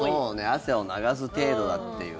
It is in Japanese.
汗を流す程度だっていうね。